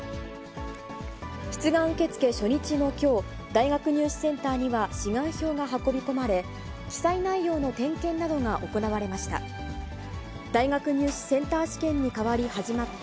出願受け付け初日のきょう、大学入試センターには、志願票が運び込まれ、記載内容の点検などが行われました。